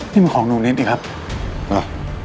นี่มันของนุ้งนิสสิครับอ่ะ